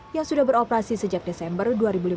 yang sudah beroperasi sejak desember dua ribu lima belas